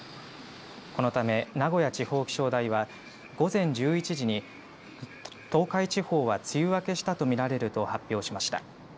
このため、名古屋地方気象台は午前１１時に東海地方は梅雨明けしたと見られると発表しました。